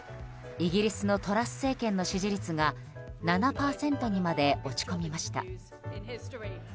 イギリスのトラス政権の支持率が７％にまで落ち込みました。